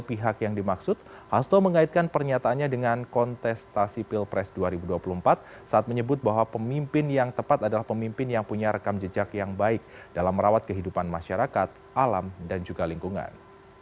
pihak yang dimaksud hasto mengaitkan pernyataannya dengan kontestasi pilpres dua ribu dua puluh empat saat menyebut bahwa pemimpin yang tepat adalah pemimpin yang punya rekam jejak yang baik dalam merawat kehidupan masyarakat alam dan juga lingkungan